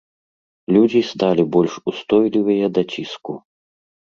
Людзі сталі больш устойлівыя да ціску.